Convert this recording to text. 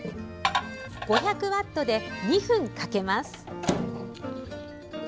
５００ワットで２分かけます。